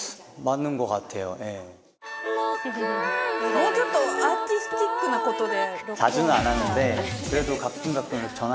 もうちょっとアーティスティックなことで。